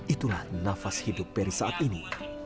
itulah nafas hidup peri saat ini